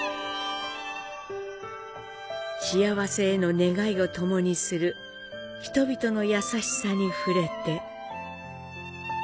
幸せへの願いをともにする人々のやさしさに触れて。